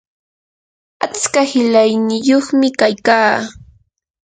atska qilayniyuqmi kaykaa